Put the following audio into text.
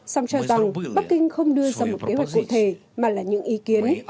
song cho rằng bắc kinh không đưa ra một kế hoạch cụ thể mà là những ý kiến